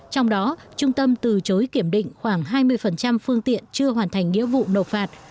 trong đó trung tâm từ chối kiểm định khoảng hai mươi phương tiện chưa hoàn thành nghĩa vụ nộp phạt